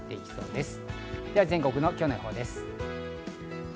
では全国の今日の予報です。